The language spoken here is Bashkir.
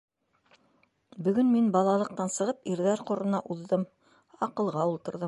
Бөгөн мин, балалыҡтан сығып, ирҙәр ҡорона уҙҙым, аҡылға ултырҙым.